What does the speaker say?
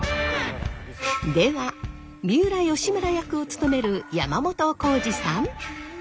では三浦義村役を務める山本耕史さん。